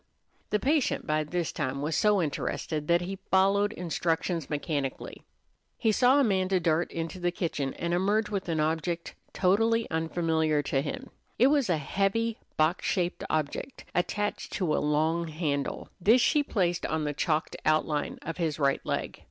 The patient by this time was so interested that he followed instructions mechanically. He saw Amanda dart into the kitchen and emerge with an object totally unfamiliar to him. It was a heavy, box shaped object, attached to a long handle. This she placed on the chalked outline of his right leg.